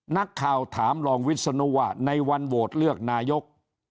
นักข่าวถามรองวิศนุว่าในวันโหวตเลือกนายก